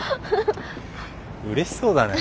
うれしそうだね。